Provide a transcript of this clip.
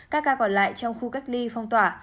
các ca còn lại trong khu cách ly phong tỏa